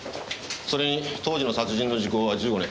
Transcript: それに当時の殺人の時効は１５年。